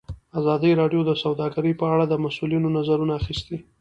ازادي راډیو د سوداګري په اړه د مسؤلینو نظرونه اخیستي.